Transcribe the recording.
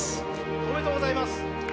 おめでとうございます。